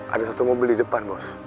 ada satu mobil di depan bos